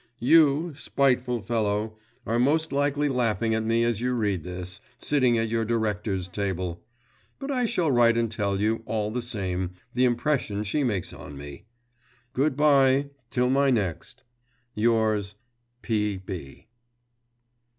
You, spiteful fellow, are most likely laughing at me as you read this, sitting at your directors' table. But I shall write and tell you, all the same, the impression she makes on me. Good bye till my next. Yours, P.